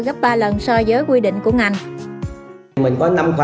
gấp ba lần so với quy định của ngành